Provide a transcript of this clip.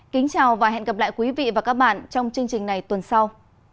kính chào và hẹn gặp lại quý vị và các bạn trong chương trình này tuần sau